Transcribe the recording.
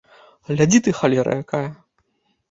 Глядзі ты, халера якая!